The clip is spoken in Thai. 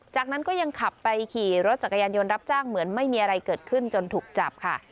จากนั้นก็ยังขับไปขี่รถจักรยานยนต์รับจ้างเหมือนไม่มีอะไรเกิดขึ้นจนถูกจับค่ะ